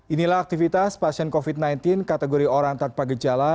inilah aktivitas pasien covid sembilan belas kategori orang tanpa gejala